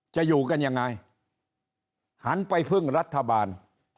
จะอยู่กันยังไงหันไปพึ่งรัฐบาล